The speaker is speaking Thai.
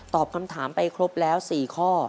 คำถามไปครบแล้ว๔ข้อ